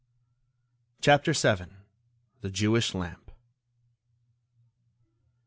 CHAPTER VII. THE JEWISH LAMP.